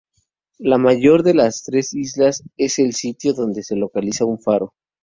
La mayor de las tres islas es el sitio donde se localiza un faro.